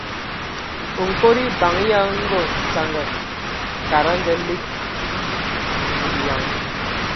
Nkod eban ya Ngondzanga tada a ngalig Zulǝyan!